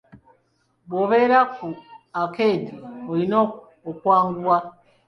Bw'obeera ku akeedi oyina okwanguwa.